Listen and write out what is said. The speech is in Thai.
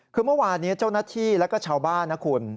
คือเมื่อวานนี้เจ้าหน้าที่แล้วก็ชาวบ้านนะคุณ